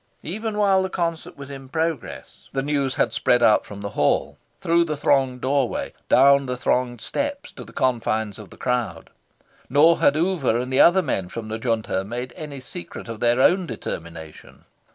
Even while the concert was in progress, the news had spread out from the Hall, through the thronged doorway, down the thronged steps, to the confines of the crowd. Nor had Oover and the other men from the Junta made any secret of their own determination.